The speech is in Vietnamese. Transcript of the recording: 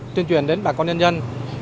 truyền truyền đến bà con nhân dân